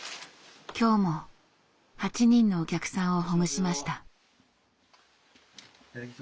今日も８人のお客さんをほぐしました。